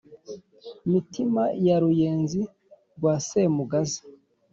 Mitima ya Ruyenzi rwa Semugaza.